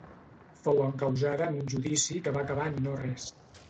Fou encausada en un judici que va acabar en no res.